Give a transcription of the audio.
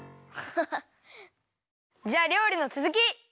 じゃありょうりのつづき！